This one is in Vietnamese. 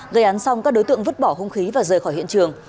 gây án xong các đối tượng vứt bỏ hung khí và rời khỏi hiện trường